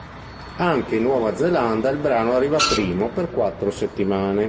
Anche in Nuova Zelanda il brano arriva primo per quattro settimane.